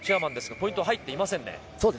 ポイントは入っていませんね。